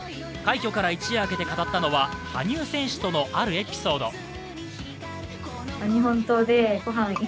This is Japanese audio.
快挙から一夜明けて語ったのは羽生選手とのあるエピソード。